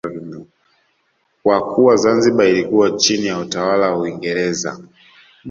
Kwa kuwa Zanzibar ilikuwa chini ya utawala wa Uingereza